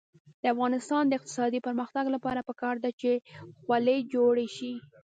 د افغانستان د اقتصادي پرمختګ لپاره پکار ده چې خولۍ جوړې شي.